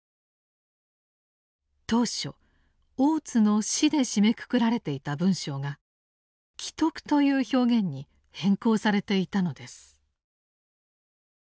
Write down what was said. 当初大津の死で締めくくられていた文章が「危篤」という表現に変更されていたのです。